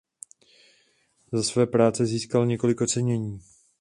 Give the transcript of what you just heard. Za své práce získal několik ocenění.